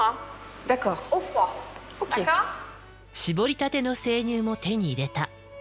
搾りたての生乳も手に入れた。